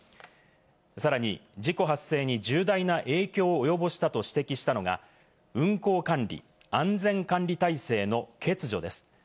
さらに事故発生に重大な影響を及ぼしたと指摘したのが、運航管理・安全管理体制の欠如です。